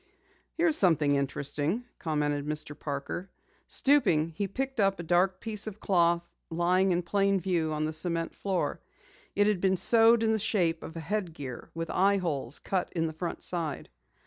"Here's something interesting," commented Mr. Parker. Stooping, he picked up a dark piece of cloth lying in plain view on the cement floor. It had been sewed in the shape of a headgear, with eye holes cut in the front side.